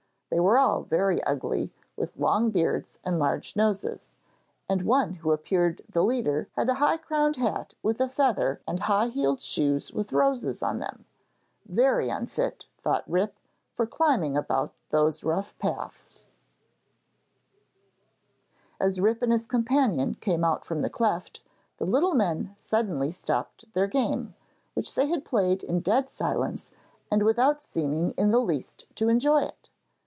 They were all very ugly, with long beards and large noses, and one who appeared the leader had a high crowned hat with a feather and high heeled shoes with roses on them very unfit, thought Rip, for climbing about those rough paths. [Illustration: RIP FINDS THE DWARFS PLAYING NINEPINS] As Rip and his companion came out from the cleft, the little men suddenly stopped their game, which they had played in dead silence and without seeming in the least to enjoy it.